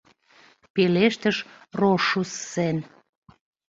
— пелештыш Рошуссен.